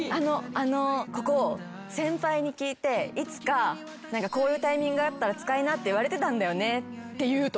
ここ先輩に聞いていつかこういうタイミングがあったら使いなって言われてたんだよねって言うとか。